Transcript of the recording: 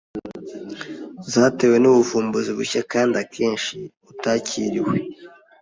zatewe nubuvumbuzi bushya kandi akenshi butakiriwe